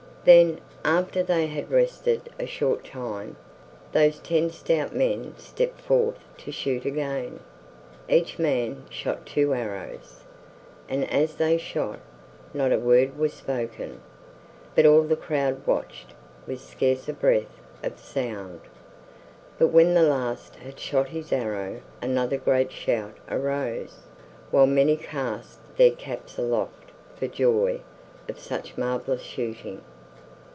Then, after they had rested a short time, those ten stout men stepped forth to shoot again. Each man shot two arrows, and as they shot, not a word was spoken, but all the crowd watched with scarce a breath of sound; but when the last had shot his arrow another great shout arose, while many cast their caps aloft for joy of such marvelous shooting.